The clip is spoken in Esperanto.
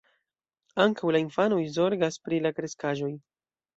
Ankaŭ la infanoj zorgas pri la kreskaĵoj.